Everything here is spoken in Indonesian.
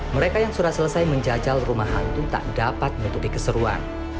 mereka yang sudah selesai menjajal rumah hantu tak dapat menutupi keseruan